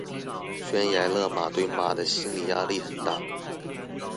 懸崖勒馬對馬的心理壓力很大